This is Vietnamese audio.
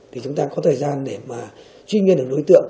thì chúng ta có thời gian để mà chuyên nghiên được đối tượng